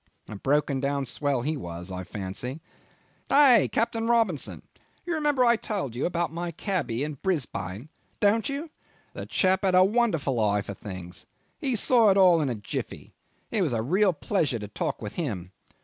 A broken down swell he was, I fancy. Hey! Captain Robinson? You remember I told you about my cabby in Brisbane don't you? The chap had a wonderful eye for things. He saw it all in a jiffy. It was a real pleasure to talk with him.